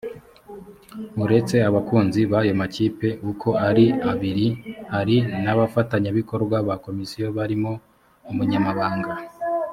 uretse abakunzi b ayo makipe uko ari abiri hari n abafatanyabikorwa ba komisiyo barimo umunyamabanga